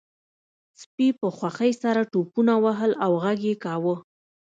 سپي په خوښۍ سره ټوپونه وهل او غږ یې کاوه